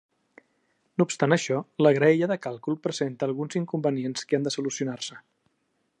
No obstant això, la graella de càlcul presenta alguns inconvenients que han de solucionar-se.